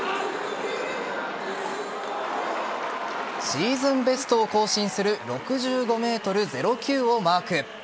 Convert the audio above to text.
シーズンベストを更新する６５ｍ０９をマーク。